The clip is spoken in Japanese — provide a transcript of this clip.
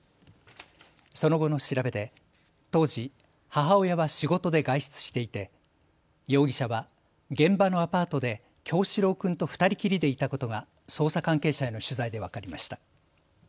その後の調べで当時、母親は仕事で外出していて容疑者は現場のアパートで叶志郎君と２人きりでいたことが捜査関係者への取材で分かりました。